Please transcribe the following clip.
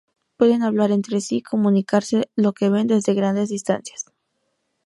Pueden hablar entre sí y comunicarse lo que ven desde grandes distancias.